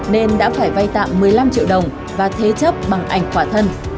nên đã phải vay tạm một mươi năm triệu đồng và thế chấp bằng ảnh quả thân